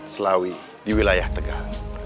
selawi di wilayah tegal